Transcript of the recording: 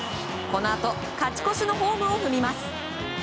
このあと勝ち越しのホームを踏みます。